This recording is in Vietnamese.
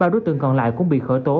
ba đối tượng còn lại cũng bị khởi tố